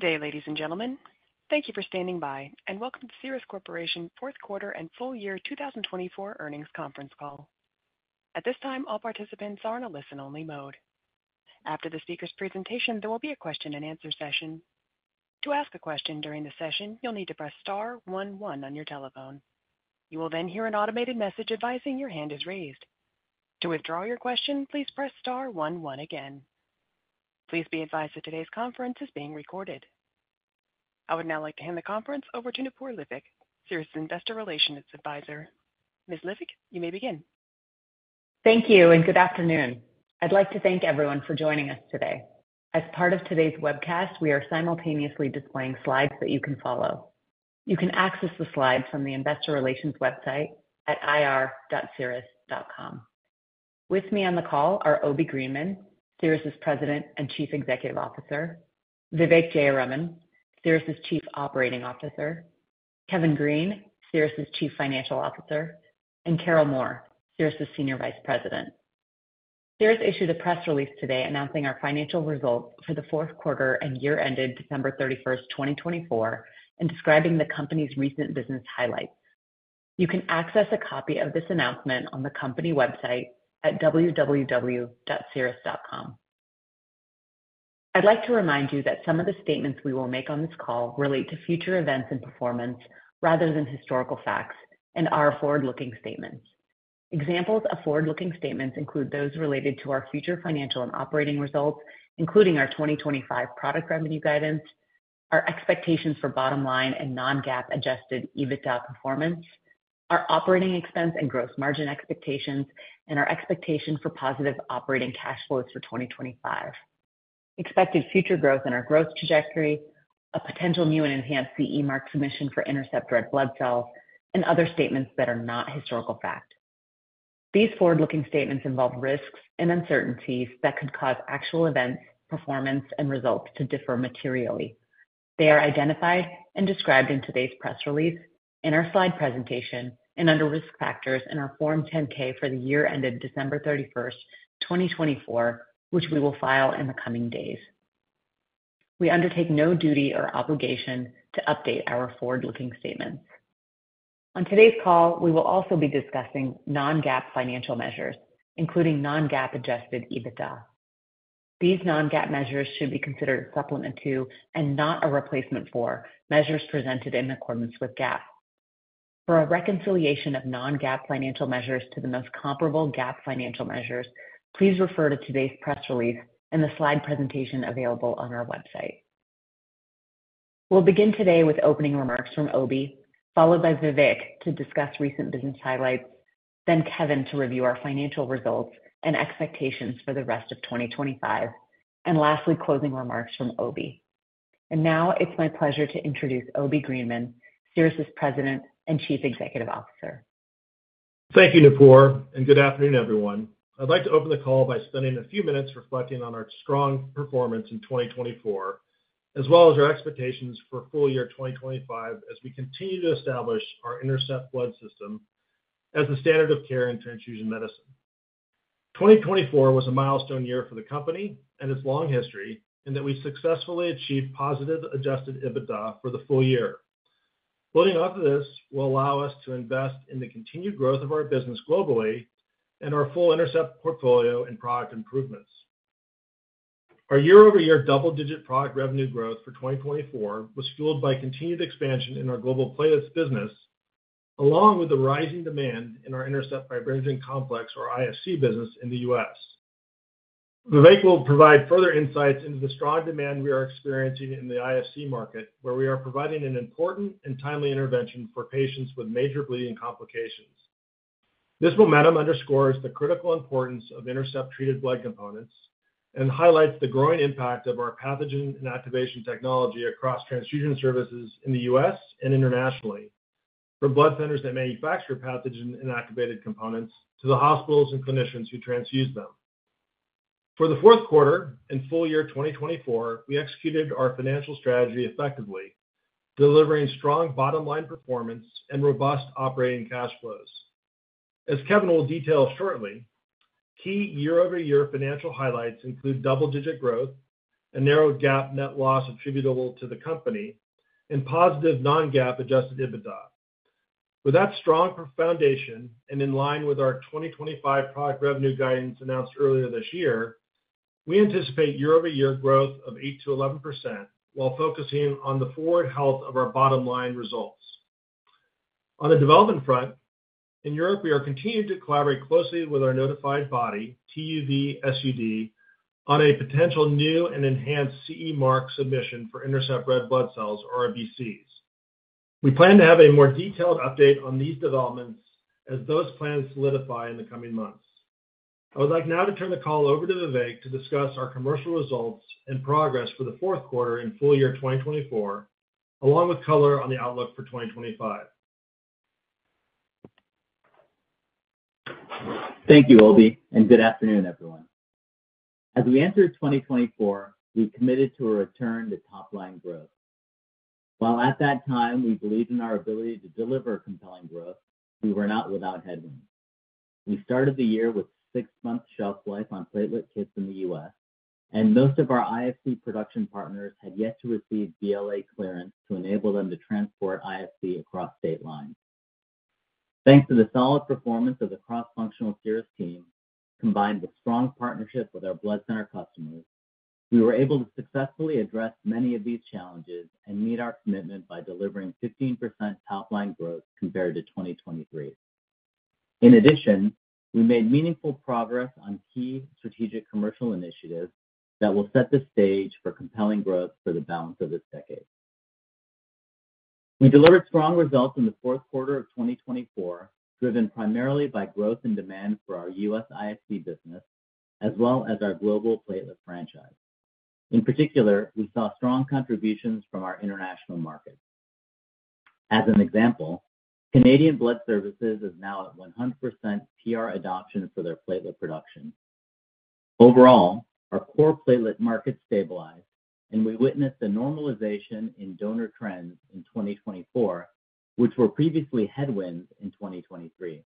Good day, ladies and gentlemen. Thank you for standing by, and welcome to Cerus Corporation's fourth quarter and full year 2024 earnings conference call. At this time, all participants are in a listen-only mode. After the speaker's presentation, there will be a question-and-answer session. To ask a question during the session, you'll need to press star one one on your telephone. You will then hear an automated message advising your hand is raised. To withdraw your question, please press star one one again. Please be advised that today's conference is being recorded. I would now like to hand the conference over to Nipur Livik, Cerus' Investor Relations Advisor. Ms. Livik, you may begin. Thank you, and good afternoon. I'd like to thank everyone for joining us today. As part of today's webcast, we are simultaneously displaying slides that you can follow. You can access the slides from the Investor Relations website at ir.cerus.com. With me on the call are Obi Greenman, Cerus' President and Chief Executive Officer; Vivek Jayaraman, Cerus' Chief Operating Officer; Kevin Green, Cerus' Chief Financial Officer; and Carol Moore, Cerus' Senior Vice President. Cerus issued a press release today announcing our financial results for the fourth quarter and year-ended December 31st, 2024, and describing the company's recent business highlights. You can access a copy of this announcement on the company website at www.cerus.com. I'd like to remind you that some of the statements we will make on this call relate to future events and performance rather than historical facts and are forward-looking statements. Examples of forward-looking statements include those related to our future financial and operating results, including our 2025 product revenue guidance, our expectations for bottom line and non-GAAP-adjusted EBITDA performance, our operating expense and gross margin expectations, and our expectation for positive operating cash flows for 2025, expected future growth in our growth trajectory, a potential new and enhanced CE mark submission for Intercept Red Blood Cells, and other statements that are not historical fact. These forward-looking statements involve risks and uncertainties that could cause actual events, performance, and results to differ materially. They are identified and described in today's press release, in our slide presentation, and under risk factors in our Form 10-K for the year-ended December 31st 2024, which we will file in the coming days. We undertake no duty or obligation to update our forward-looking statements. On today's call, we will also be discussing non-GAAP financial measures, including non-GAAP-adjusted EBITDA. These non-GAAP measures should be considered a supplement to and not a replacement for measures presented in accordance with GAAP. For a reconciliation of non-GAAP financial measures to the most comparable GAAP financial measures, please refer to today's press release and the slide presentation available on our website. We will begin today with opening remarks from Obi, followed by Vivek to discuss recent business highlights, then Kevin to review our financial results and expectations for the rest of 2025, and lastly, closing remarks from Obi. It is my pleasure to introduce Obi Greenman, Cerus' President and Chief Executive Officer. Thank you, Nipur, and good afternoon, everyone. I'd like to open the call by spending a few minutes reflecting on our strong performance in 2024, as well as our expectations for full year 2025 as we continue to establish our INTERCEPT Blood System as a standard of care in transfusion medicine. 2024 was a milestone year for the company and its long history in that we successfully achieved positive adjusted EBITDA for the full year. Building off of this will allow us to invest in the continued growth of our business globally and our full INTERCEPT portfolio and product improvements. Our year-over-year double-digit product revenue growth for 2024 was fueled by continued expansion in our global platelets business, along with the rising demand in our INTERCEPT Fibrinogen Complex, or IFC, business in the U.S. Vivek will provide further insights into the strong demand we are experiencing in the IFC market, where we are providing an important and timely intervention for patients with major bleeding complications. This momentum underscores the critical importance of INTERCEPT-treated blood components and highlights the growing impact of our pathogen inactivation technology across transfusion services in the U.S. and internationally, from blood centers that manufacture pathogen inactivated components to the hospitals and clinicians who transfuse them. For the fourth quarter and full year 2024, we executed our financial strategy effectively, delivering strong bottom line performance and robust operating cash flows. As Kevin will detail shortly, key year-over-year financial highlights include double-digit growth, a narrowed GAAP net loss attributable to the company, and positive non-GAAP adjusted EBITDA. With that strong foundation and in line with our 2025 product revenue guidance announced earlier this year, we anticipate year-over-year growth of 8-11% while focusing on the forward health of our bottom line results. On the development front, in Europe, we are continuing to collaborate closely with our notified body, TUV SUD, on a potential new and enhanced CE mark submission for Intercept Red Blood Cells, or RBCs. We plan to have a more detailed update on these developments as those plans solidify in the coming months. I would like now to turn the call over to Vivek to discuss our commercial results and progress for the fourth quarter and full year 2024, along with color on the outlook for 2025. Thank you, Obi, and good afternoon, everyone. As we entered 2024, we committed to a return to top-line growth. While at that time, we believed in our ability to deliver compelling growth, we were not without headwinds. We started the year with six-month shelf life on platelet kits in the U.S., and most of our IFC production partners had yet to receive BLA clearance to enable them to transport IFC across state lines. Thanks to the solid performance of the cross-functional Cerus team, combined with strong partnership with our blood center customers, we were able to successfully address many of these challenges and meet our commitment by delivering 15% top-line growth compared to 2023. In addition, we made meaningful progress on key strategic commercial initiatives that will set the stage for compelling growth for the balance of this decade. We delivered strong results in the fourth quarter of 2024, driven primarily by growth and demand for our US IFC business, as well as our global platelet franchise. In particular, we saw strong contributions from our international markets. As an example, Canadian Blood Services is now at 100% PR adoption for their platelet production. Overall, our core platelet market stabilized, and we witnessed a normalization in donor trends in 2024, which were previously headwinds in 2023.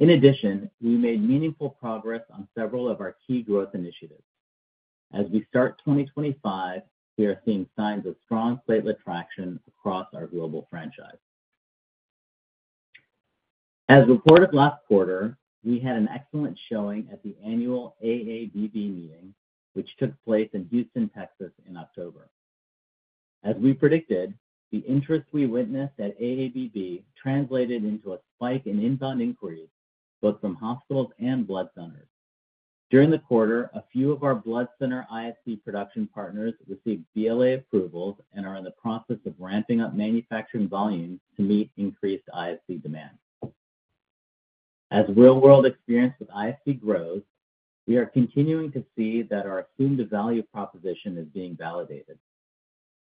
In addition, we made meaningful progress on several of our key growth initiatives. As we start 2025, we are seeing signs of strong platelet traction across our global franchise. As reported last quarter, we had an excellent showing at the annual AABB meeting, which took place in Houston, Texas, in October. As we predicted, the interest we witnessed at AABB translated into a spike in inbound inquiries, both from hospitals and blood centers. During the quarter, a few of our blood center IFC production partners received BLA approvals and are in the process of ramping up manufacturing volumes to meet increased IFC demand. As real-world experience with IFC grows, we are continuing to see that our assumed value proposition is being validated.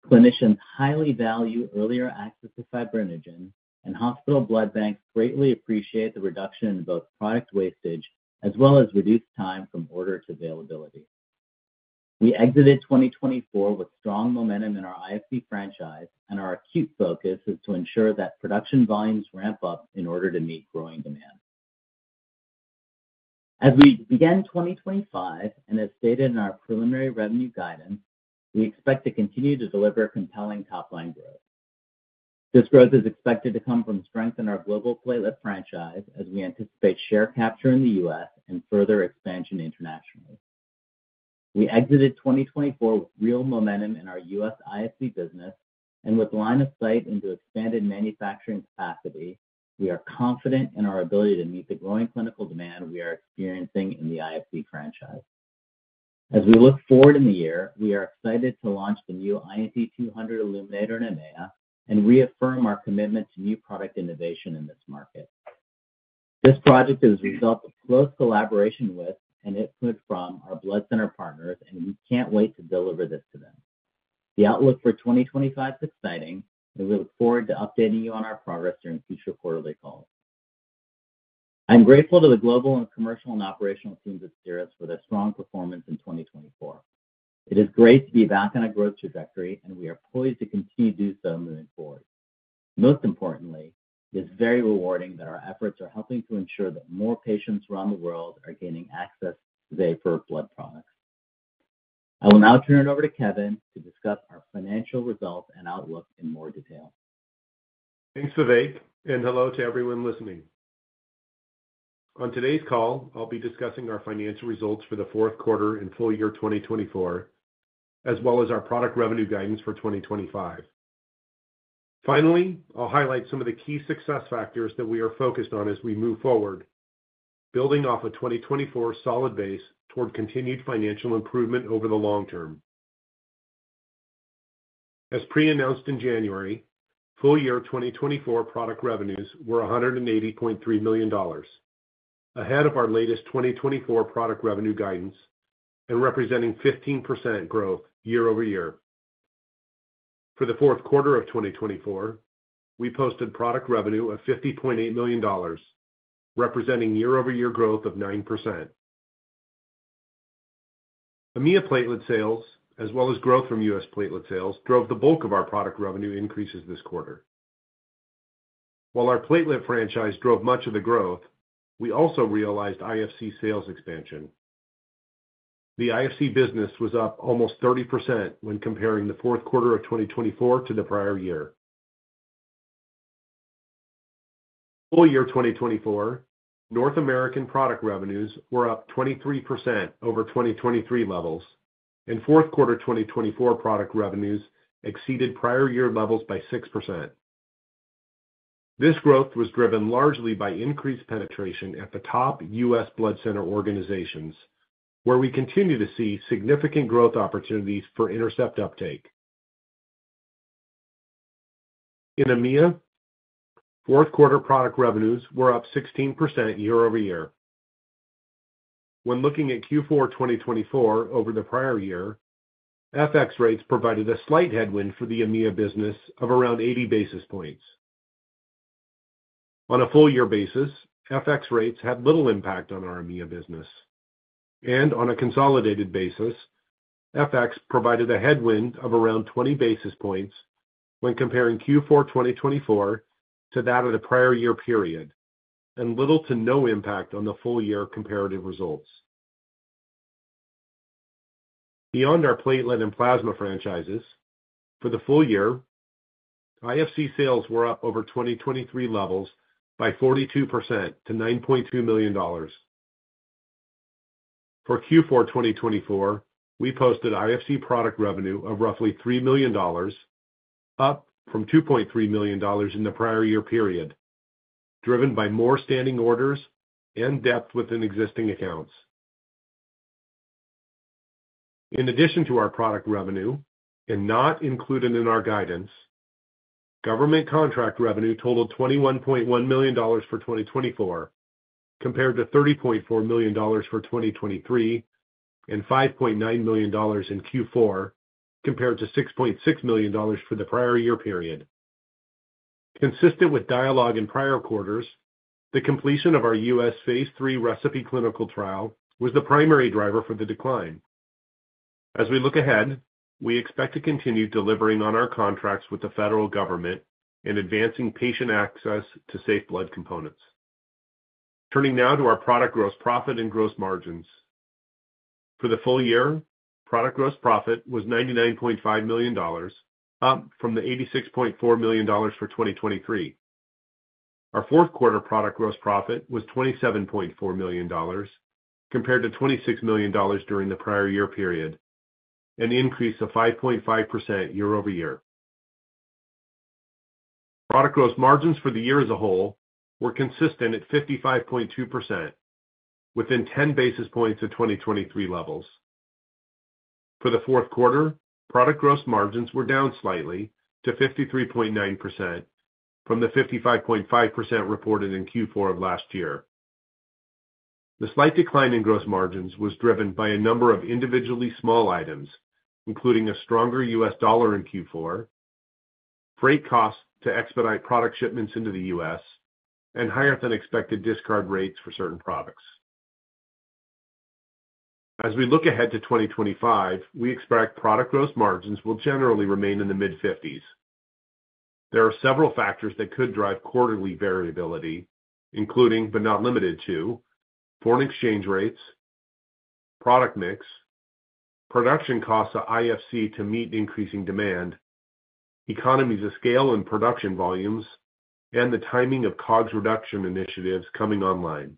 Clinicians highly value earlier access to fibrinogen, and hospital blood banks greatly appreciate the reduction in both product wastage as well as reduced time from order to availability. We exited 2024 with strong momentum in our IFC franchise, and our acute focus is to ensure that production volumes ramp up in order to meet growing demand. As we begin 2025, and as stated in our preliminary revenue guidance, we expect to continue to deliver compelling top-line growth. This growth is expected to come from strength in our global platelet franchise as we anticipate share capture in the U.S. and further expansion internationally. We exited 2024 with real momentum in our U.S. IFC business, and with line of sight into expanded manufacturing capacity, we are confident in our ability to meet the growing clinical demand we are experiencing in the IFC franchise. As we look forward in the year, we are excited to launch the new INT200 Illuminator in EMEA and reaffirm our commitment to new product innovation in this market. This project is a result of close collaboration with and input from our blood center partners, and we can't wait to deliver this to them. The outlook for 2025 is exciting, and we look forward to updating you on our progress during future quarterly calls. I'm grateful to the global and commercial and operational teams at Cerus for their strong performance in 2024. It is great to be back on a growth trajectory, and we are poised to continue to do so moving forward. Most importantly, it is very rewarding that our efforts are helping to ensure that more patients around the world are gaining access to safer blood products. I will now turn it over to Kevin to discuss our financial results and outlook in more detail. Thanks, Vivek, and hello to everyone listening. On today's call, I'll be discussing our financial results for the fourth quarter and full year 2024, as well as our product revenue guidance for 2025. Finally, I'll highlight some of the key success factors that we are focused on as we move forward, building off a 2024 solid base toward continued financial improvement over the long term. As pre-announced in January, full year 2024 product revenues were $180.3 million, ahead of our latest 2024 product revenue guidance and representing 15% growth year-over-year. For the fourth quarter of 2024, we posted product revenue of $50.8 million, representing year-over-year growth of 9%. EMEA platelet sales, as well as growth from US platelet sales, drove the bulk of our product revenue increases this quarter. While our platelet franchise drove much of the growth, we also realized IFC sales expansion. The IFC business was up almost 30% when comparing the fourth quarter of 2024 to the prior year. Full year 2024, North American product revenues were up 23% over 2023 levels, and fourth quarter 2024 product revenues exceeded prior year levels by 6%. This growth was driven largely by increased penetration at the top US blood center organizations, where we continue to see significant growth opportunities for INTERCEPT uptake. In EMEA, fourth quarter product revenues were up 16% year-over-year. When looking at Q4 2024 over the prior year, FX rates provided a slight headwind for the EMEA business of around 80 basis points. On a full year basis, FX rates had little impact on our EMEA business. On a consolidated basis, FX provided a headwind of around 20 basis points when comparing Q4 2024 to that of the prior year period, and little to no impact on the full year comparative results. Beyond our platelet and plasma franchises, for the full year, IFC sales were up over 2023 levels by 42% to $9.2 million. For Q4 2024, we posted IFC product revenue of roughly $3 million, up from $2.3 million in the prior year period, driven by more standing orders and depth within existing accounts. In addition to our product revenue, and not included in our guidance, government contract revenue totaled $21.1 million for 2024, compared to $30.4 million for 2023, and $5.9 million in Q4, compared to $6.6 million for the prior year period. Consistent with dialogue in prior quarters, the completion of our U.S. phase III recipe clinical trial was the primary driver for the decline. As we look ahead, we expect to continue delivering on our contracts with the federal government and advancing patient access to safe blood components. Turning now to our product gross profit and gross margins. For the full year, product gross profit was $99.5 million, up from the $86.4 million for 2023. Our fourth quarter product gross profit was $27.4 million, compared to $26 million during the prior year period, an increase of 5.5% year-over-year. Product gross margins for the year as a whole were consistent at 55.2%, within 10 basis points of 2023 levels. For the fourth quarter, product gross margins were down slightly to 53.9% from the 55.5% reported in Q4 of last year. The slight decline in gross margins was driven by a number of individually small items, including a stronger US dollar in Q4, freight costs to expedite product shipments into the US, and higher-than-expected discard rates for certain products. As we look ahead to 2025, we expect product gross margins will generally remain in the mid-50s. There are several factors that could drive quarterly variability, including but not limited to: foreign exchange rates, product mix, production costs of IFC to meet increasing demand, economies of scale in production volumes, and the timing of COGS reduction initiatives coming online.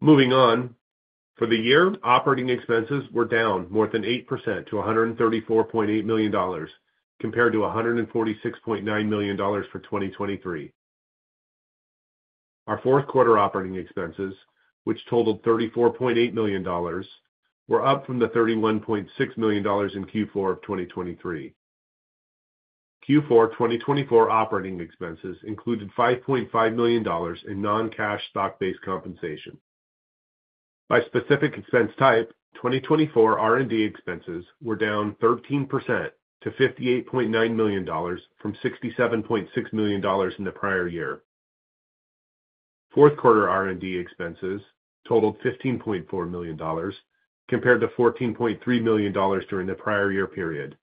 Moving on, for the year, operating expenses were down more than 8% to $134.8 million, compared to $146.9 million for 2023. Our fourth quarter operating expenses, which totaled $34.8 million, were up from the $31.6 million in Q4 of 2023. Q4 2024 operating expenses included $5.5 million in non-cash stock-based compensation. By specific expense type, 2024 R&D expenses were down 13% to $58.9 million from $67.6 million in the prior year. Fourth quarter R&D expenses totaled $15.4 million, compared to $14.3 million during the prior year period.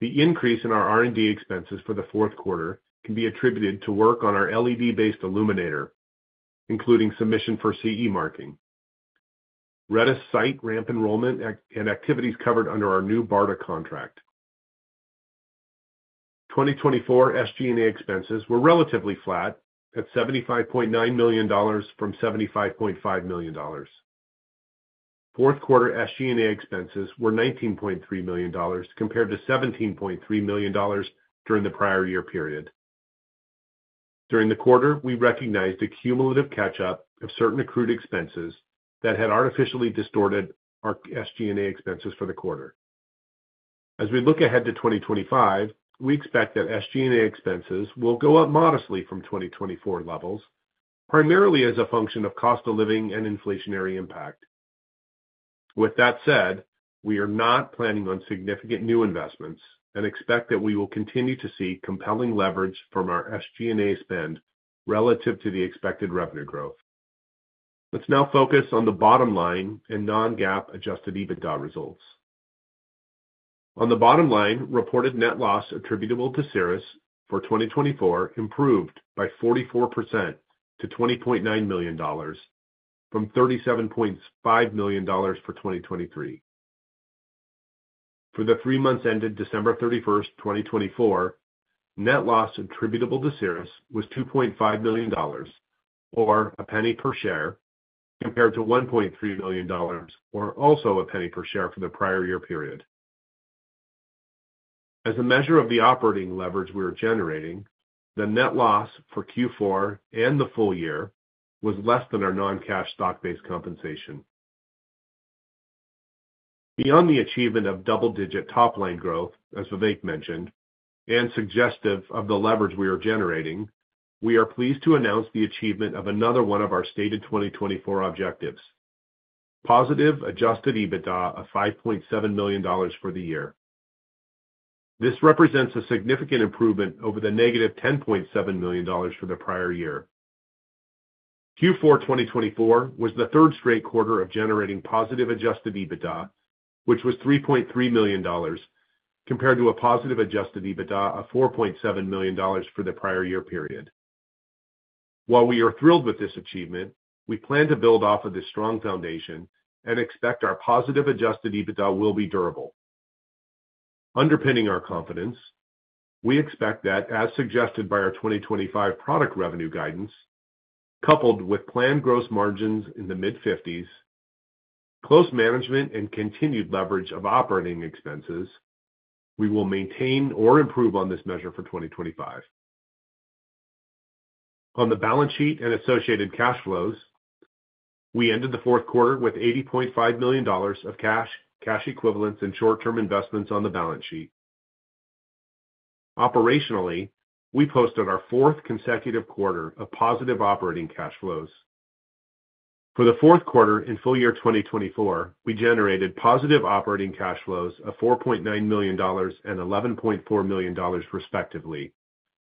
The increase in our R&D expenses for the fourth quarter can be attributed to work on our LED-based illuminator, including submission for CE marking, RETUS site ramp enrollment, and activities covered under our new BARDA contract. 2024 SG&A expenses were relatively flat at $75.9 million from $75.5 million. Fourth quarter SG&A expenses were $19.3 million, compared to $17.3 million during the prior year period. During the quarter, we recognized a cumulative catch-up of certain accrued expenses that had artificially distorted our SG&A expenses for the quarter. As we look ahead to 2025, we expect that SG&A expenses will go up modestly from 2024 levels, primarily as a function of cost of living and inflationary impact. With that said, we are not planning on significant new investments and expect that we will continue to see compelling leverage from our SG&A spend relative to the expected revenue growth. Let's now focus on the bottom line and non-GAAP adjusted EBITDA results. On the bottom line, reported net loss attributable to Cerus for 2024 improved by 44% to $20.9 million from $37.5 million for 2023. For the three months ended December 31st, 2024, net loss attributable to Cerus was $2.5 million, or a penny per share, compared to $1.3 million, or also a penny per share for the prior year period. As a measure of the operating leverage we are generating, the net loss for Q4 and the full year was less than our non-cash stock-based compensation. Beyond the achievement of double-digit top-line growth, as Vivek mentioned, and suggestive of the leverage we are generating, we are pleased to announce the achievement of another one of our stated 2024 objectives: positive adjusted EBITDA of $5.7 million for the year. This represents a significant improvement over the negative $10.7 million for the prior year. Q4 2024 was the third straight quarter of generating positive adjusted EBITDA, which was $3.3 million, compared to a positive adjusted EBITDA of $4.7 million for the prior year period. While we are thrilled with this achievement, we plan to build off of this strong foundation and expect our positive adjusted EBITDA will be durable. Underpinning our confidence, we expect that, as suggested by our 2025 product revenue guidance, coupled with planned gross margins in the mid-50%, close management, and continued leverage of operating expenses, we will maintain or improve on this measure for 2025. On the balance sheet and associated cash flows, we ended the fourth quarter with $80.5 million of cash, cash equivalents, and short-term investments on the balance sheet. Operationally, we posted our fourth consecutive quarter of positive operating cash flows. For the fourth quarter and full year 2024, we generated positive operating cash flows of $4.9 million and $11.4 million respectively,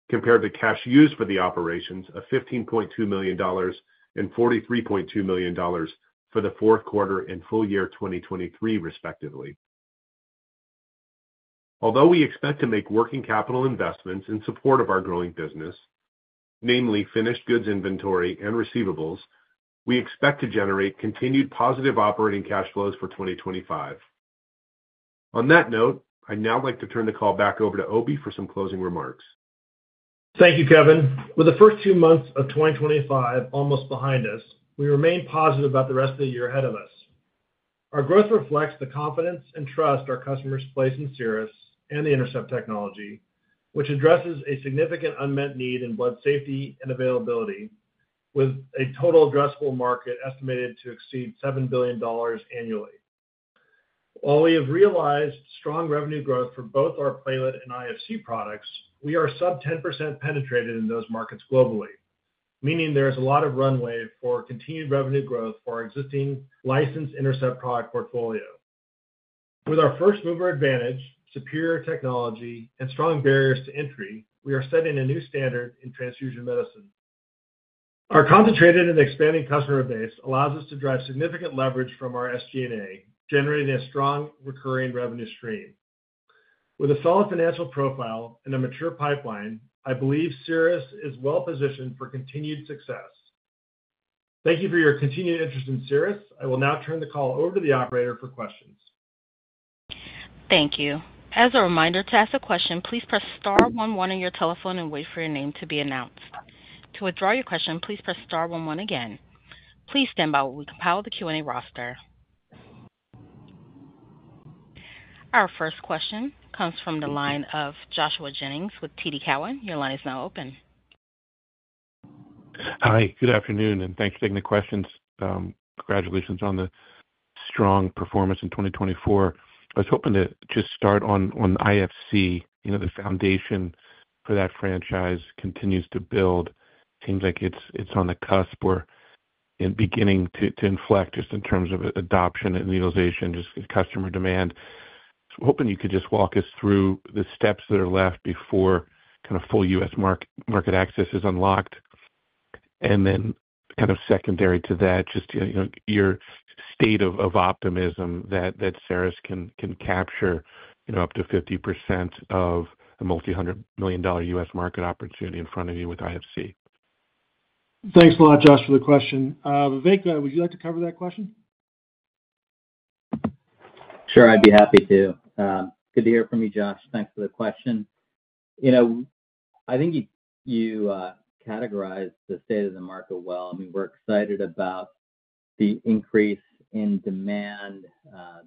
compared to cash used for the operations of $15.2 million and $43.2 million for the fourth quarter and full year 2023 respectively. Although we expect to make working capital investments in support of our growing business, namely finished goods inventory and receivables, we expect to generate continued positive operating cash flows for 2025. On that note, I'd now like to turn the call back over to Obi for some closing remarks. Thank you, Kevin. With the first two months of 2025 almost behind us, we remain positive about the rest of the year ahead of us. Our growth reflects the confidence and trust our customers place in Cerus and the INTERCEPT technology, which addresses a significant unmet need in blood safety and availability, with a total addressable market estimated to exceed $7 billion annually. While we have realized strong revenue growth for both our platelet and IFC products, we are sub-10% penetrated in those markets globally, meaning there is a lot of runway for continued revenue growth for our existing licensed INTERCEPT product portfolio. With our first-mover advantage, superior technology, and strong barriers to entry, we are setting a new standard in transfusion medicine. Our concentrated and expanding customer base allows us to drive significant leverage from our SG&A, generating a strong recurring revenue stream. With a solid financial profile and a mature pipeline, I believe Cerus is well-positioned for continued success. Thank you for your continued interest in Cerus. I will now turn the call over to the operator for questions. Thank you. As a reminder, to ask a question, please press star one one on your telephone and wait for your name to be announced. To withdraw your question, please press star one one again. Please stand by while we compile the Q&A roster. Our first question comes from the line of Joshua Jennings with TD Cowen. Your line is now open. Hi, good afternoon, and thanks for taking the questions. Congratulations on the strong performance in 2024. I was hoping to just start on IFC, you know, the foundation for that franchise continues to build. Seems like it's on the cusp or beginning to inflect just in terms of adoption and utilization, just customer demand. I was hoping you could just walk us through the steps that are left before kind of full U.S. market access is unlocked. Then kind of secondary to that, just your state of optimism that Cerus can capture, you know, up to 50% of a multi-hundred million dollar U.S. market opportunity in front of you with IFC. Thanks a lot, Josh, for the question. Vivek, would you like to cover that question? Sure, I'd be happy to. Good to hear from you, Josh. Thanks for the question. You know, I think you categorized the state of the market well. I mean, we're excited about the increase in demand,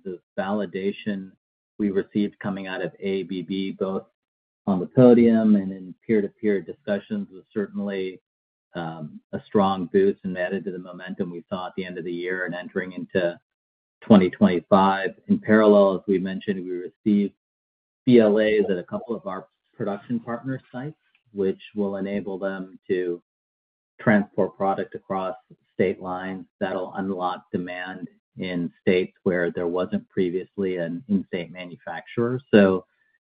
the validation we received coming out of AABB, both on the podium and in peer-to-peer discussions, was certainly a strong boost and added to the momentum we saw at the end of the year and entering into 2025. In parallel, as we mentioned, we received BLAs at a couple of our production partner sites, which will enable them to transport product across state lines. That'll unlock demand in states where there wasn't previously an in-state manufacturer.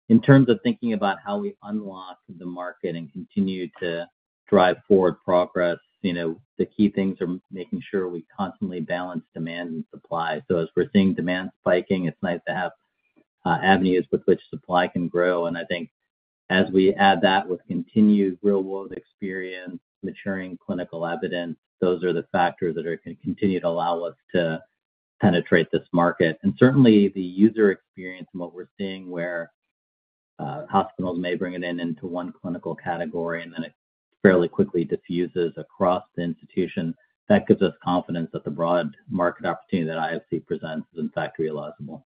In terms of thinking about how we unlock the market and continue to drive forward progress, you know, the key things are making sure we constantly balance demand and supply. As we're seeing demand spiking, it's nice to have avenues with which supply can grow. I think as we add that with continued real-world experience, maturing clinical evidence, those are the factors that are going to continue to allow us to penetrate this market. Certainly the user experience and what we're seeing where hospitals may bring it in into one clinical category and then it fairly quickly diffuses across the institution, that gives us confidence that the broad market opportunity that IFC presents is, in fact, realizable.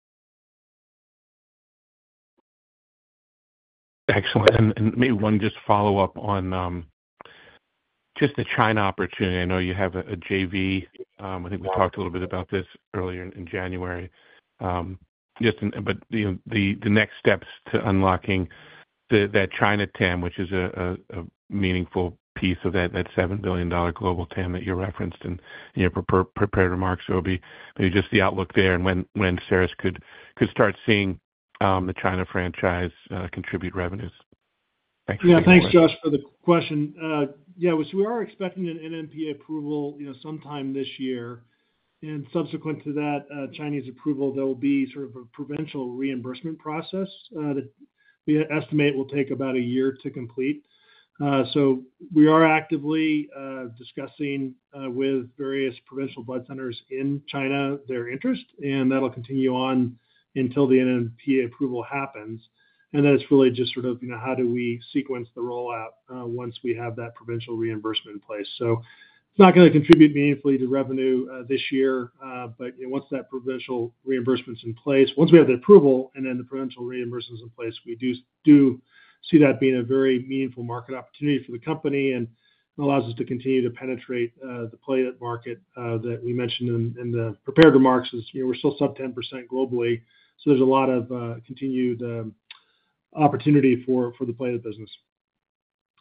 Excellent. Maybe one just follow-up on just the China opportunity. I know you have a JV. I think we talked a little bit about this earlier in January. Just, but you know, the next steps to unlocking that China TAM, which is a meaningful piece of that $7 billion global TAM that you referenced in your prepared remarks, Obi, maybe just the outlook there and when Cerus could start seeing the China franchise contribute revenues. Yeah, thanks, Josh, for the question. Yeah, we are expecting an NMPA approval, you know, sometime this year. Subsequent to that Chinese approval, there will be sort of a provincial reimbursement process that we estimate will take about a year to complete. We are actively discussing with various provincial blood centers in China their interest, and that'll continue on until the NMPA approval happens. It is really just sort of, you know, how do we sequence the rollout once we have that provincial reimbursement in place. It is not going to contribute meaningfully to revenue this year, but, you know, once that provincial reimbursement is in place, once we have the approval and then the provincial reimbursement is in place, we do see that being a very meaningful market opportunity for the company and allows us to continue to penetrate the platelet market that we mentioned in the prepared remarks is, you know, we are still sub-10% globally. There is a lot of continued opportunity for the platelet business.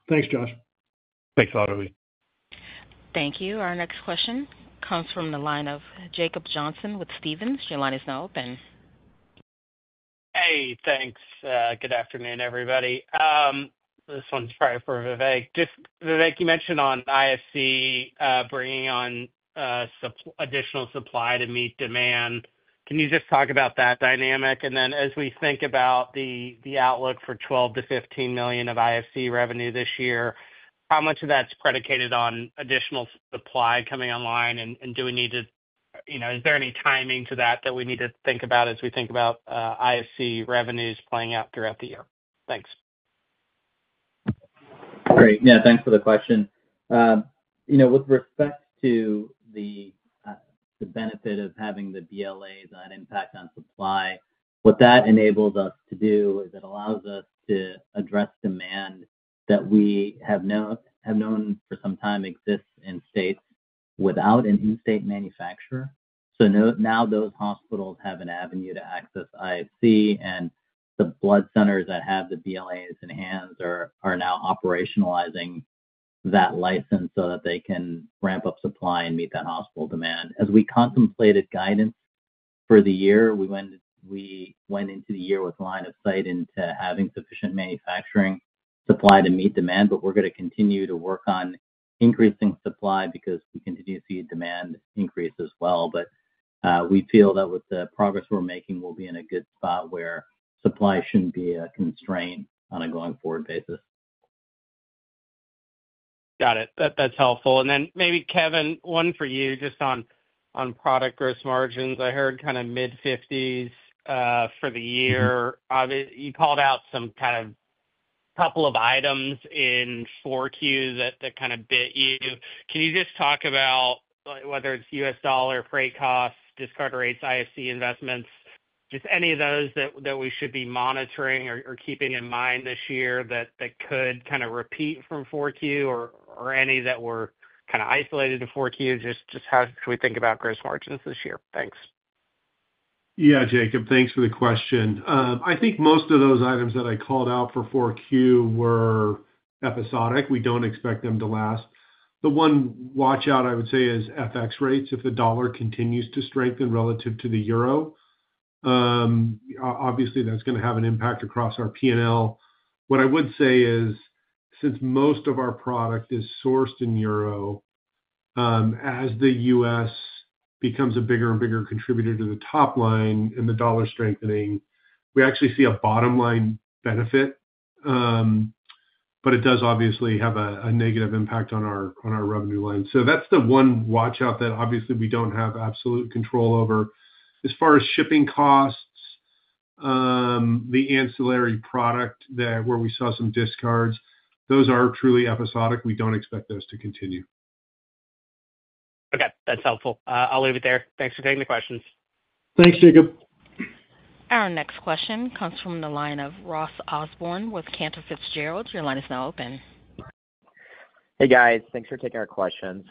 Thanks, Josh. Thanks, Obi. Thank you. Our next question comes from the line of Jacob Johnson with Stephens. Your line is now open. Hey, thanks. Good afternoon, everybody. This one's probably for Vivek. Just Vivek, you mentioned on IFC bringing on additional supply to meet demand. Can you just talk about that dynamic? As we think about the outlook for $12 million-$15 million of IFC revenue this year, how much of that's predicated on additional supply coming online? Do we need to, you know, is there any timing to that that we need to think about as we think about IFC revenues playing out throughout the year? Thanks. Great. Yeah, thanks for the question. You know, with respect to the benefit of having the BLAs and that impact on supply, what that enables us to do is it allows us to address demand that we have known for some time exists in states without an in-state manufacturer. So now those hospitals have an avenue to access IFC, and the blood centers that have the BLAs in hand are now operationalizing that license so that they can ramp up supply and meet that hospital demand. As we contemplated guidance for the year, we went into the year with a line of sight into having sufficient manufacturing supply to meet demand, but we're going to continue to work on increasing supply because we continue to see demand increase as well. We feel that with the progress we're making, we'll be in a good spot where supply shouldn't be a constraint on a going forward basis. Got it. That's helpful. Maybe, Kevin, one for you just on product gross margins. I heard kind of mid-50% for the year. You called out some kind of couple of items in Q4 that kind of bit you. Can you just talk about whether it's US dollar, freight costs, discard rates, IFC investments, just any of those that we should be monitoring or keeping in mind this year that could kind of repeat from Q4 or any that were kind of isolated to Q4? Just how should we think about gross margins this year? Thanks. Yeah, Jacob, thanks for the question. I think most of those items that I called out for Q4 were episodic. We do not expect them to last. The one watch-out I would say is FX rates. If the dollar continues to strengthen relative to the euro, obviously that is going to have an impact across our P and L. What I would say is, since most of our product is sourced in euro, as the US becomes a bigger and bigger contributor to the top line and the dollar strengthening, we actually see a bottom line benefit, but it does obviously have a negative impact on our revenue line. That is the one watch-out that obviously we do not have absolute control over. As far as shipping costs, the ancillary product where we saw some discards, those are truly episodic. We do not expect those to continue. Okay, that's helpful. I'll leave it there. Thanks for taking the questions. Thanks, Jacob. Our next question comes from the line of Ross Osborne with Cantor Fitzgerald. Your line is now open. Hey, guys. Thanks for taking our questions.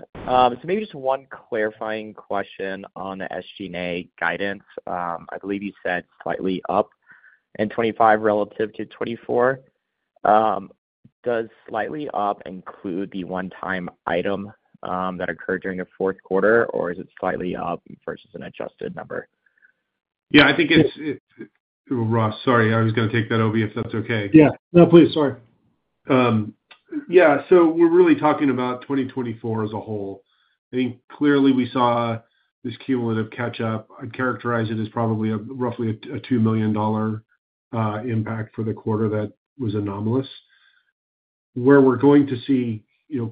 Maybe just one clarifying question on the SG&A guidance. I believe you said slightly up in 2025 relative to 2024. Does slightly up include the one-time item that occurred during the fourth quarter, or is it slightly up versus an adjusted number? Yeah, I think it's—Ross, sorry, I was going to take that, Obi, if that's okay. Yeah, no, please, sorry. Yeah, so we're really talking about 2024 as a whole. I think clearly we saw this cumulative catch-up. I'd characterize it as probably a roughly a $2 million impact for the quarter that was anomalous. Where we're going to see, you know,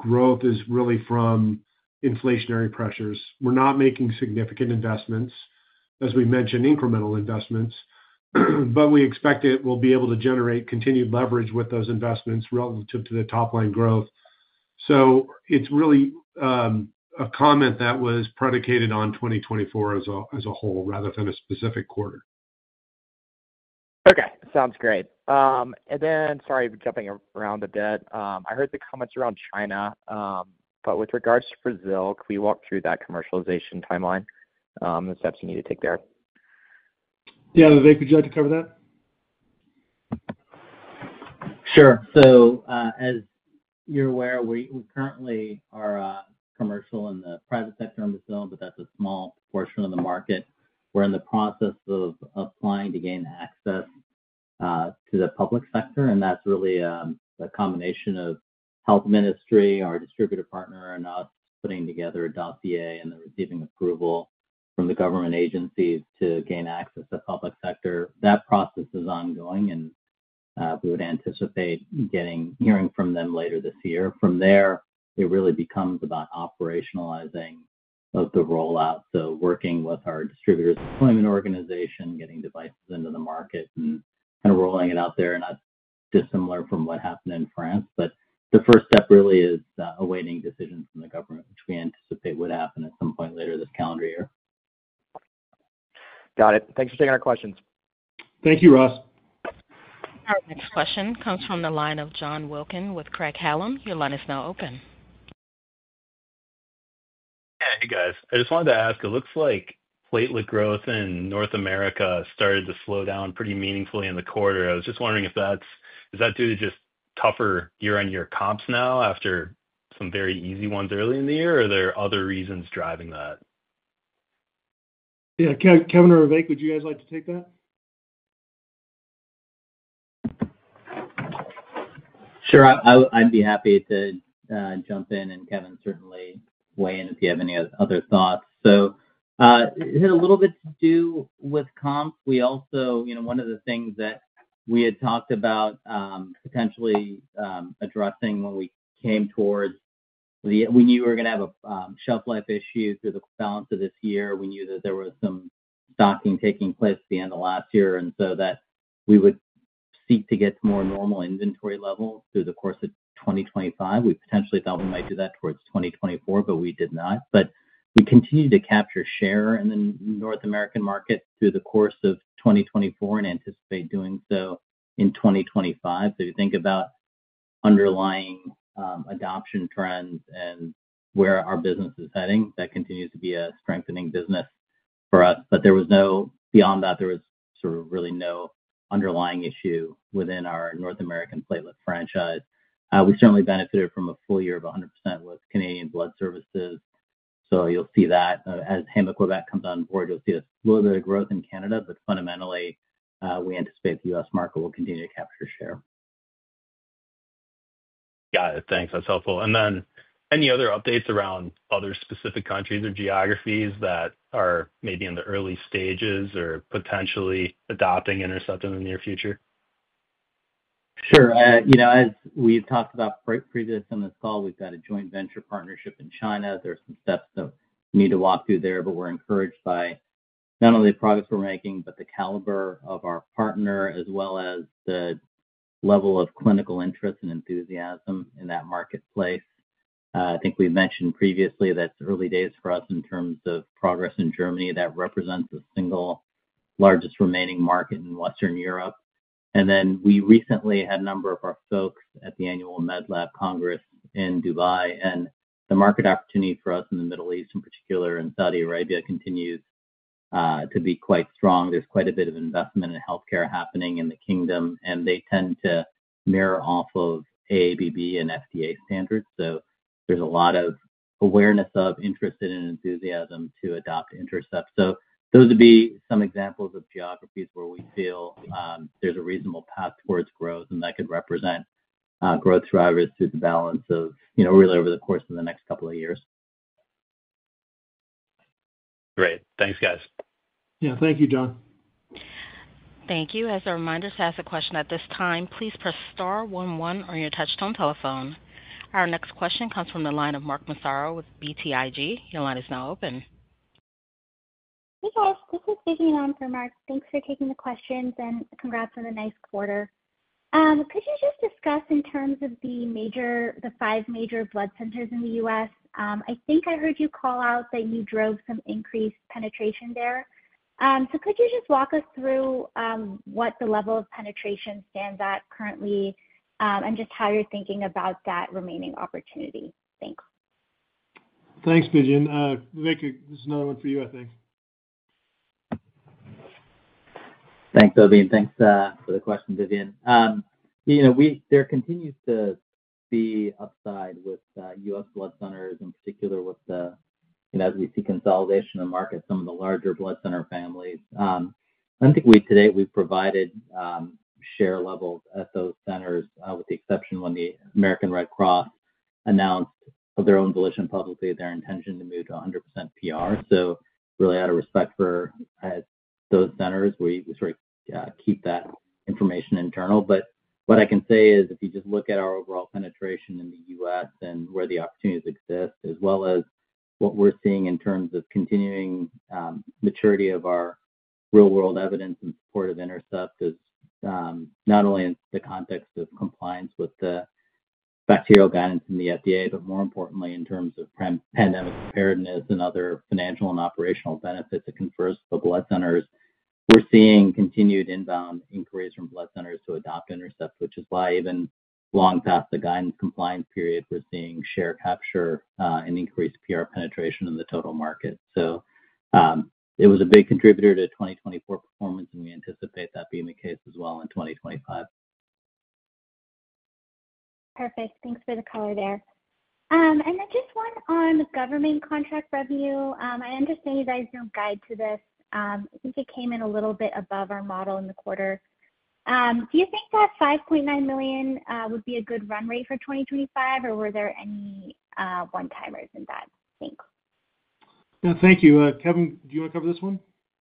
continued growth is really from inflationary pressures. We're not making significant investments, as we mentioned, incremental investments, but we expect that we'll be able to generate continued leverage with those investments relative to the top line growth. It is really a comment that was predicated on 2024 as a whole rather than a specific quarter. Okay, sounds great. Sorry, jumping around a bit, I heard the comments around China, but with regards to Brazil, can we walk through that commercialization timeline and the steps you need to take there? Yeah, Vivek, would you like to cover that? Sure. As you're aware, we currently are commercial in the private sector in Brazil, but that's a small portion of the market. We're in the process of applying to gain access to the public sector, and that's really a combination of health ministry or a distributor partner and us putting together a dossier and then receiving approval from the government agencies to gain access to the public sector. That process is ongoing, and we would anticipate hearing from them later this year. From there, it really becomes about operationalizing the rollout. Working with our distributor's employment organization, getting devices into the market, and kind of rolling it out there. That's dissimilar from what happened in France, but the first step really is awaiting a decision from the government, which we anticipate would happen at some point later this calendar year. Got it. Thanks for taking our questions. Thank you, Ross. Our next question comes from the line of John Wilkin with Craig-Hallum. Your line is now open. Hey, guys. I just wanted to ask, it looks like platelet growth in North America started to slow down pretty meaningfully in the quarter. I was just wondering if that's due to just tougher year-on-year comps now after some very easy ones early in the year, or are there other reasons driving that? Yeah, Kevin or Vivek, would you guys like to take that? Sure, I'd be happy to jump in, and Kevin certainly weigh in if you have any other thoughts. It had a little bit to do with comps. We also, you know, one of the things that we had talked about potentially addressing when we came towards—we knew we were going to have a shelf life issue through the balance of this year. We knew that there was some stocking taking place at the end of last year, and so that we would seek to get to more normal inventory levels through the course of 2025. We potentially thought we might do that towards 2024, but we did not. We continue to capture share in the North American market through the course of 2024 and anticipate doing so in 2025. If you think about underlying adoption trends and where our business is heading, that continues to be a strengthening business for us. There was really no underlying issue within our North American platelet franchise. We certainly benefited from a full year of 100% with Canadian Blood Services. You will see that as Héma-Québec comes on board, you will see a little bit of growth in Canada, but fundamentally, we anticipate the U.S. market will continue to capture share. Got it. Thanks. That's helpful. Any other updates around other specific countries or geographies that are maybe in the early stages or potentially adopting INTERCEPT in the near future? Sure. You know, as we've talked about previously on this call, we've got a joint venture partnership in China. There are some steps that we need to walk through there, but we're encouraged by not only the progress we're making, but the caliber of our partner, as well as the level of clinical interest and enthusiasm in that marketplace. I think we've mentioned previously that it's early days for us in terms of progress in Germany. That represents the single largest remaining market in Western Europe. We recently had a number of our folks at the annual Med Lab Congress in Dubai, and the market opportunity for us in the Middle East, in particular in Saudi Arabia, continues to be quite strong. There's quite a bit of investment in healthcare happening in the kingdom, and they tend to mirror off of AABB and FDA standards. There's a lot of awareness of interest and enthusiasm to adopt INTERCEPT. Those would be some examples of geographies where we feel there's a reasonable path towards growth, and that could represent growth drivers through the balance of, you know, really over the course of the next couple of years. Great. Thanks, guys. Yeah, thank you, John. Thank you. As a reminder, to ask a question at this time, please press star 11 on your touchstone telephone. Our next question comes from the line of Mark Massaro with BTIG. Your line is now open. Hey, guys. This is Vidyun from Mark. Thanks for taking the questions, and congrats on a nice quarter. Could you just discuss in terms of the major—the five major blood centers in the U.S.? I think I heard you call out that you drove some increased penetration there. Could you just walk us through what the level of penetration stands at currently and just how you're thinking about that remaining opportunity? Thanks. Thanks, Vidyun. Vivek, this is another one for you, I think. Thanks, Obi. Thanks for the question, Vidyun. You know, there continues to be upside with US blood centers, in particular with the—you know, as we see consolidation of markets, some of the larger blood center families. I think today we've provided share levels at those centers, with the exception when the American Red Cross announced of their own volition publicly their intention to move to 100% PR. Really, out of respect for those centers, we sort of keep that information internal. What I can say is, if you just look at our overall penetration in the U.S. and where the opportunities exist, as well as what we're seeing in terms of continuing maturity of our real-world evidence in support of INTERCEPT, it is not only in the context of compliance with the bacterial guidance in the FDA, but more importantly, in terms of pandemic preparedness and other financial and operational benefits that confer to the blood centers. We're seeing continued inbound inquiries from blood centers to adopt INTERCEPT, which is why even long past the guidance compliance period, we're seeing share capture and increased PR penetration in the total market. It was a big contributor to 2024 performance, and we anticipate that being the case as well in 2025. Perfect. Thanks for the color there. Just one on the government contract revenue. I understand you guys do not guide to this. I think it came in a little bit above our model in the quarter. Do you think that $5.9 million would be a good run rate for 2025, or were there any one-timers in that, Vivek? Yeah, thank you. Kevin, do you want to cover this one?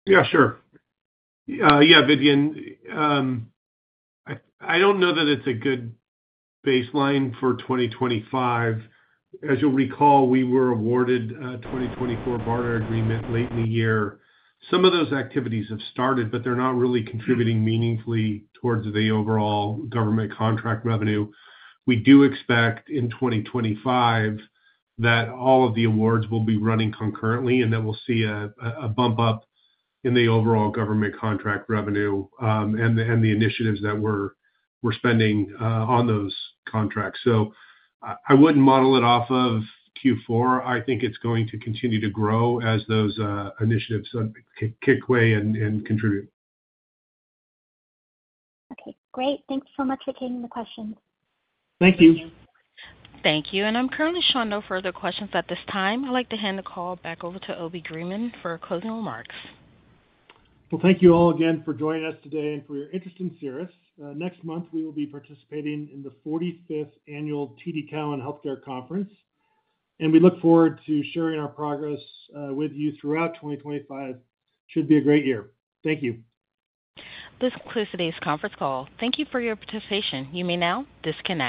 Yeah, sure. Yeah, Vivian. I don't know that it's a good baseline for 2025. As you'll recall, we were awarded a 2024 BARDA agreement late in the year. Some of those activities have started, but they're not really contributing meaningfully towards the overall government contract revenue. We do expect in 2025 that all of the awards will be running concurrently and that we'll see a bump up in the overall government contract revenue and the initiatives that we're spending on those contracts. I wouldn't model it off of Q4. I think it's going to continue to grow as those initiatives kick in and contribute. Okay, great. Thanks so much for taking the questions. Thank you. Thank you. I am currently showing no further questions at this time. I would like to hand the call back over to Obi Greenman for closing remarks. Thank you all again for joining us today and for your interest in Cerus. Next month, we will be participating in the 45th Annual TD Cowen Healthcare Conference, and we look forward to sharing our progress with you throughout 2025. It should be a great year. Thank you. This concludes today's conference call. Thank you for your participation. You may now disconnect.